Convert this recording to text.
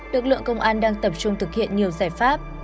lực lượng công an đang tập trung thực hiện nhiều giải pháp